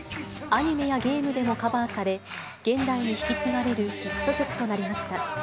アニメやゲームでもカバーされ、現代に引き継がれるヒット曲となりました。